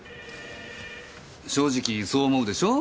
正直そう思うでしょ？